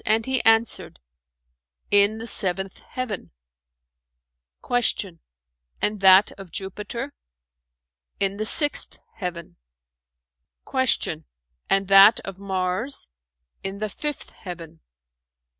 and he answered, "In the seventh heaven." Q "And that of Jupiter?" "In the sixth heaven." Q "And that of Mars?" "In the fifth heaven."